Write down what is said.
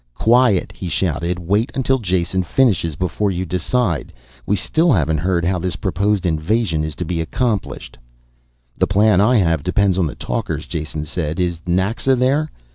"Quiet!" he shouted. "Wait until Jason finishes before you decide. We still haven't heard how this proposed invasion is to be accomplished." "The plan I have depends on the talkers." Jason said. "Is Naxa there?"